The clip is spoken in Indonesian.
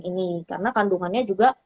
ini karena kandungannya juga